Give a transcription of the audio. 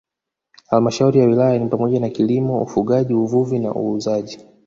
Halmashauri ya Wilaya ni pamoja na kilimo ufugaji uvuvi na uuzaji